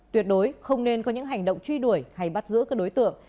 tuyệt đối không nên có những hành động truy đuổi hay bắt giữ các đối tượng